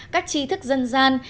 các chi thức dân gian